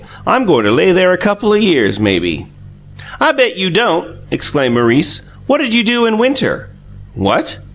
I'm goin' to lay there a couple o' years, maybe." "I bet you don't!" exclaimed Maurice. "What'd you do in winter?" "What?"